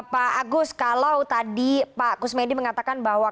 pak agus kalau tadi pak kusmedi mengatakan bahwa